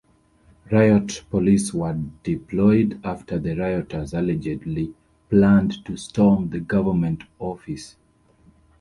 Riot police were deployed after the rioters allegedly planned to storm the government office.